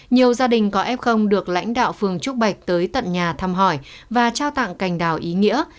nhiều gia đình có f được lãnh đạo phường trúc bạch tới tận nhà thăm hỏi và trao tặng cành đào ý nghĩa